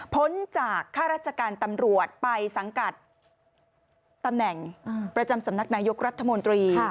พ้นจากข้าราชการตำรวจไปสังกัดตำแหน่งประจำสำนักนายกรัฐมนตรี